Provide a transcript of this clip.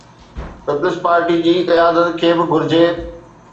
Peoples party جي قيادت کي به گهرجي.